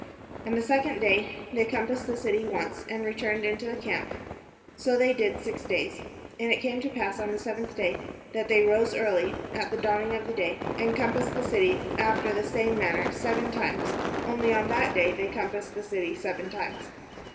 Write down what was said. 14And the second day they compassed the city once, and returned into the camp; so they did six days. 15And it came to pass on the seventh day, that they rose early at the dawning of the day, and compassed the city after the same man ner seven times; only on that day they compassed the city seven times.